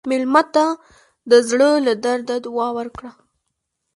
مېلمه ته د زړه له درده دعا ورکړه.